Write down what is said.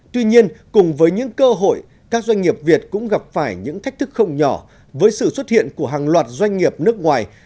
tuy nhiên cùng với những cơ hội các doanh nghiệp việt cũng gặp phải những thách thức không nhỏ với sự xuất hiện của hàng loạt doanh nghiệp nước ngoài